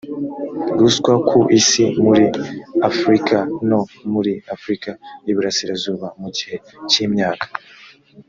ruswa ku isi muri afurika no muri afurika y iburasirazuba mu gihe cy imyaka